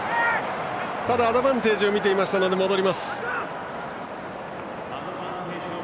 ただ、アドバンテージをみていましたので戻ります。